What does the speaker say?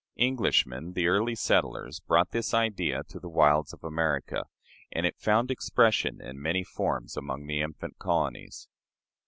Englishmen, the early settlers, brought this idea to the wilds of America, and it found expression in many forms among the infant colonies.